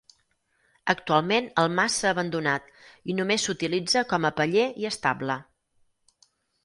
Actualment el mas s'ha abandonat i només s'utilitza com a paller i estable.